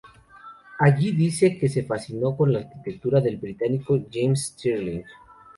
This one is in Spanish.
Allí, dice, se fascinó con la arquitectura del británico James Stirling.